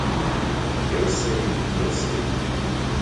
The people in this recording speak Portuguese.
Eu sei, eu sei.